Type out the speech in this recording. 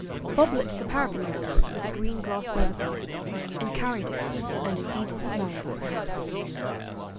Bob lit the paraffin lamp with the green glass reservoir, and carried it and its evil smell about the house.